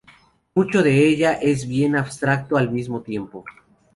Mucho de ella es bien abstracto al mismo tiempo.